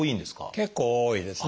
結構多いですね。